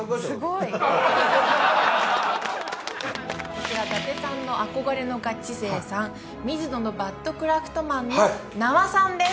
こちら伊達さんの憧れのガチ勢さんＭＩＺＵＮＯのバットクラフトマンのはいっ名和さんです